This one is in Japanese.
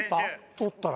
とったら。